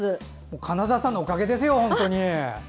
金沢さんのおかげですよ！